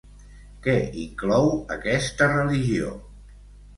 Què inclou aquesta religió?